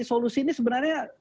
solusi ini sebenarnya